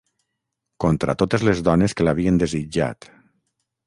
Contra totes les dones que l'havien desitjat.